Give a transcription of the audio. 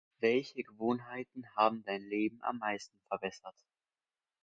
Welche Gewohnheiten haben dein Leben am meisten verbessert?